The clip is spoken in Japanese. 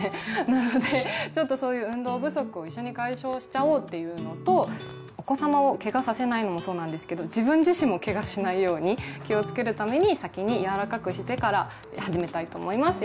なのでちょっとそういう運動不足を一緒に解消しちゃおうというのとお子様をけがさせないのもそうなんですけど自分自身もけがしないように気をつけるために先に柔らかくしてから始めたいと思います。